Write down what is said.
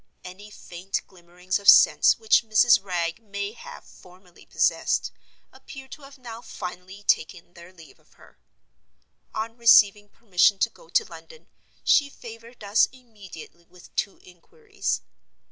Any faint glimmerings of sense which Mrs. Wragge may have formerly possessed appear to have now finally taken their leave of her. On receiving permission to go to London, she favored us immediately with two inquiries.